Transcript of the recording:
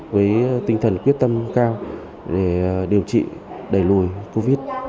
với tinh thần quyết tâm cao để điều trị đẩy lùi covid